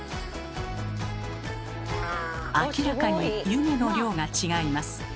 明らかに湯気の量が違います。